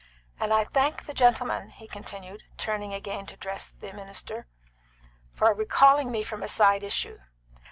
"And I thank the gentleman," he continued, turning again to address the minister, "for recalling me from a side issue.